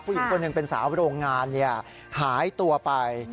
ผู้หญิงคนหนึ่งเป็นสาวโรงงานหายตัวไป